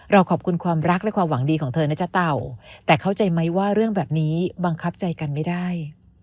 เราขอบคุณความรักและความหวังดีของเธอนะจ๊ะเต่าแต่เข้าใจไหมว่าเรื่องแบบนี้บังคับใจกันไม่ได้